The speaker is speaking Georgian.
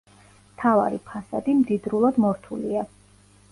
მთავარი ფასადი მდიდრულად მორთულია.